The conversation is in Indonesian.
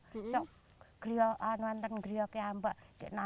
kalau kayak ada igual selayannya